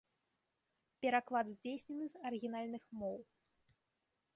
Пераклад здзейснены з арыгінальных моў.